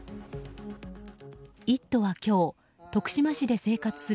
「イット！」は今日徳島市で生活する